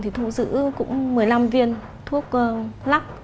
thì thu giữ cũng một mươi năm viên thuốc lắc